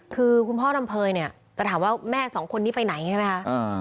คือคุณพ่อลำเภยเนี่ยจะถามว่าแม่สองคนนี้ไปไหนใช่ไหมคะ